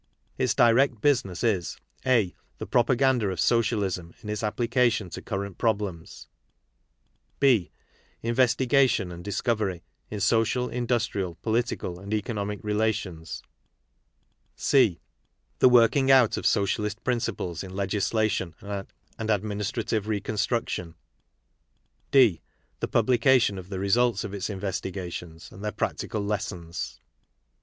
Its direct business is (a) the propaganda of Socialism in its application to current problems ; (6) investigation and discovery in social, industrial, political and economic relations ; (c) the working out of Socialist principles in legislation and administrative reconstruction ; {d) the publication of the results of its investigations and their practical lessons.